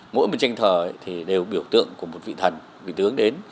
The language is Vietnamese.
mỗi một tranh thờ thì đều biểu tượng của một vị thần mình tướng đến